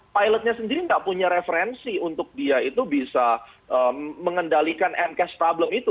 pilotnya sendiri nggak punya referensi untuk dia itu bisa mengendalikan and cash problem itu